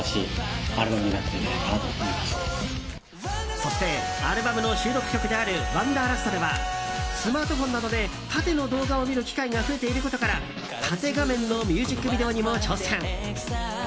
そしてアルバムの収録曲である「ワンダーラスト」ではスマートフォンなどで縦の動画を見る機会が増えていることから、縦画面のミュージックビデオにも挑戦。